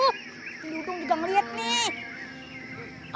tidur dong juga ngeliat nih